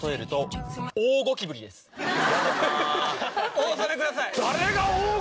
お収めください！